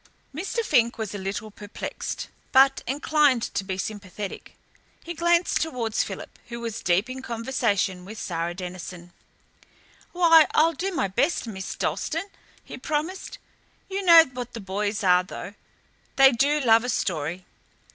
Mr. Fink was a little perplexed but inclined to be sympathetic. He glanced towards Philip, who was deep in conversation with Sara Denison. "Why, I'll do my best, Miss Dalstan," he promised. "You know what the boys are, though. They do love a story."